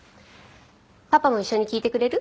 パパも一緒に聞いてくれる？